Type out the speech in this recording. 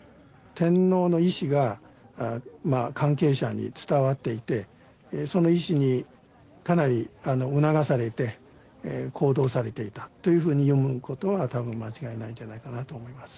天皇の意思が関係者に伝わっていてその意思にかなり促されて行動されていたというふうに読むことは多分間違いないんじゃないかなと思います。